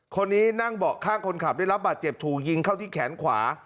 คนนี้นั่งเบาะข้างคนขับได้รับบาดเจ็บถูกยิงเข้าที่แขนขวา